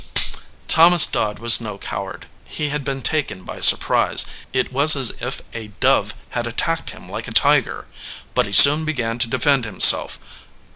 Thomas Dodd was no coward. He had been taken by surprise. It was as if a dove had attacked him like a tiger ; but he soon began to defend him self.